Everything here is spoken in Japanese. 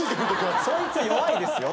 そいつは弱いですよ。